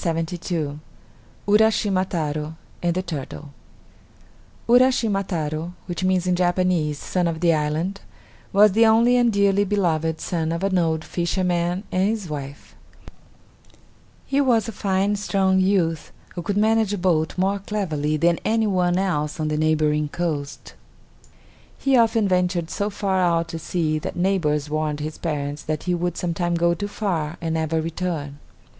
URASCHIMA TARO AND THE TURTLE Uraschima Taro, which means in Japanese "Son of the Island," was the only and dearly beloved son of an old fisherman and his wife: He was a fine, strong youth, who could manage a boat more cleverly than any one else on the neighboring coast. He often ventured so far out to sea that neighbors warned his parents that he would sometime go too far and never return.